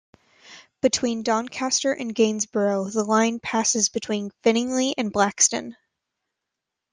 Between Doncaster and Gainsborough the line passes between Finningley and Blaxton.